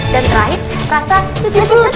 dan terakhir rasa fruity